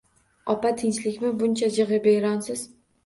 Ha, opa, tinchlikmi, buncha jig`ibiyronsiz